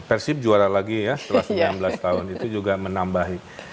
persib juara lagi ya setelah sembilan belas tahun itu juga menambahi